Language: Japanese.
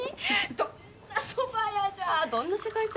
どんなそば屋じゃどんな世界線？